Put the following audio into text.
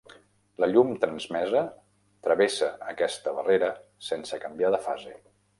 La llum transmesa travessa aquesta barrera sense canviar de fase.